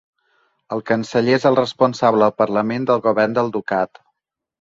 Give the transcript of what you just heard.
El canceller es el responsable al Parlament del govern del ducat.